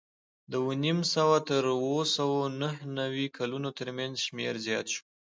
د اوه نیم سوه تر اوه سوه نهه نوې کلونو ترمنځ شمېر زیات شو